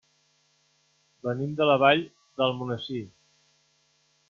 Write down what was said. Venim de la Vall d'Almonesir.